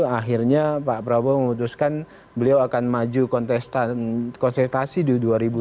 akhirnya pak prabowo memutuskan beliau akan maju konsultasi di dua ribu dua puluh empat